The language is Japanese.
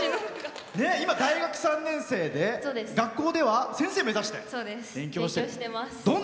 今、大学３年生で、学校では先生目指して勉強して。